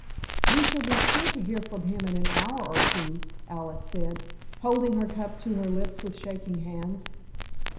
"We shall be sure to hear from him in an hour or two," Alice said, holding her cup to her lips with shaking hands.